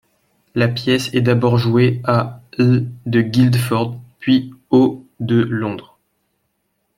La pièce est d'abord jouée à l' de Guildford, puis au de Londres.